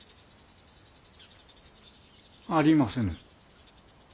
ありませぬ。